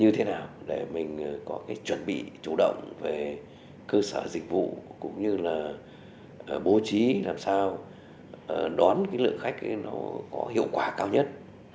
như thế nào để mình có cái chuẩn bị chủ động về cơ sở dịch vụ cũng như là bố trí làm sao đón cái lượng khách ấy nó có hiệu quả cao nhất